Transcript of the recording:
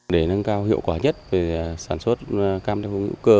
để nâng cao hiệu quả nhất về sản xuất cam theo hướng hữu cơ